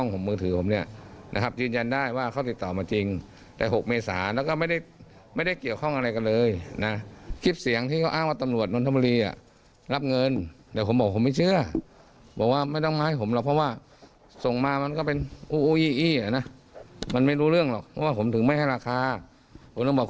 ผมต้องบอกคุณเป็น๑๘มงกุฎเนี่ยแล้วคุณเอารายมาผมก็ไม่เชื่อถืออยู่แล้ว